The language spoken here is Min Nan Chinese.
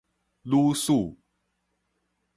女使